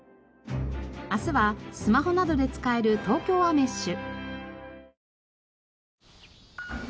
明日はスマホなどで使える東京アメッシュ。